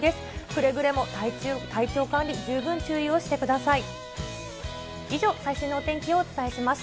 くれぐれも体調管理、十分注意をしてください。